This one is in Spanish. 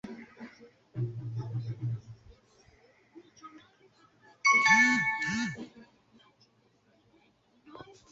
Le Haut-Corlay